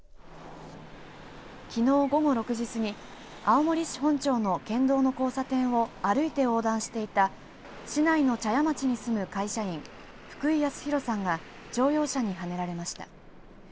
きのう午後６時過ぎ青森市本町の県道の交差点を歩いて横断していた市内の茶屋町に住む会社員福井泰寛さんが乗用車にはねられました。